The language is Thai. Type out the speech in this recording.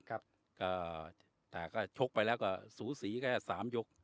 ครับครับแต่ก็ชกไปแล้วก็ศูษีแค่สามยก